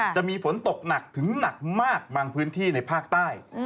จะมีฝนตกหนักถึงหนักมากบางพื้นที่ในภาคใต้